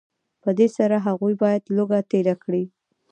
په دې سره هغوی باید لوږه تېره کړي